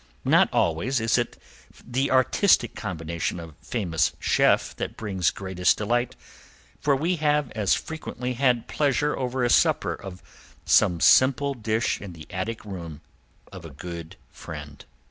Not always is it the artistic combination of famous chef that brings greatest delight, for we have as frequently had pleasure over a supper of some simple dish in the attic room of a good friend.